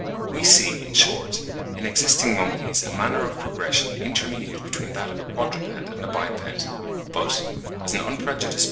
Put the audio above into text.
We see, in short, in existing monkeys a manner of progression intermediate between that of a quadruped and a biped; but, as an unprejudiced judge (75.